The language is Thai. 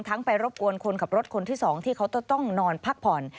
ไปรบกวนคนขับรถคนที่๒ที่เขาต้องนอนพักผ่อน